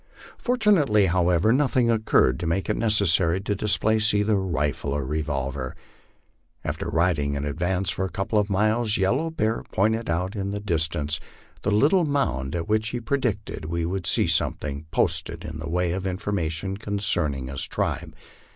Fortunately, however, nothing occurred to make it nec essary to displace either rifle or revolver. After riding in advance for a couple of miles, Yellow Bear pointed out in the distance the little mound at which he predicted we would see something posted in the way of information concerning his tribe.